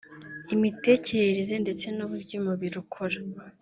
imitekerereze ndetse n’uburyo umubiri ukora